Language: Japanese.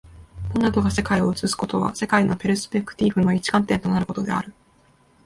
モナドが世界を映すことは、世界のペルスペクティーフの一観点となることである。